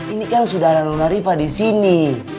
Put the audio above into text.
ini kan sudah ada luna riva di sini